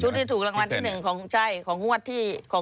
ชุดที่ถูกรางวัลที่๑ใช่ของหัวที่